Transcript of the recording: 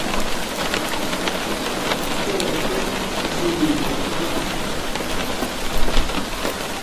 Pɔɔ pɛ́ ńzuu ŋkɔɔp wɛ.